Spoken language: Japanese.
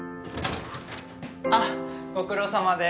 あっご苦労さまです